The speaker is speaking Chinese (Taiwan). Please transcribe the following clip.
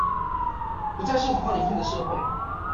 不再是謊話連篇的社會